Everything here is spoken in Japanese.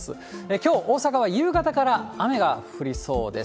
きょう大阪は夕方から雨が降りそうです。